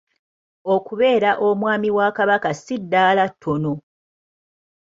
Okubeera Omwami wa Kabaka si ddaala ttono.